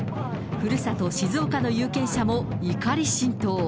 ふるさと静岡の有権者も怒り心頭。